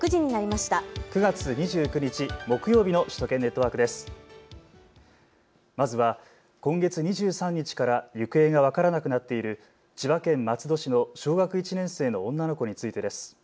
まずは今月２３日から行方が分からなくなっている千葉県松戸市の小学１年生の女の子についてです。